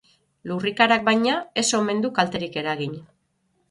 Lurrikarak, baina, ez omen du kalterik eragin.